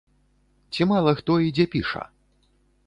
Ці мала хто і дзе піша!!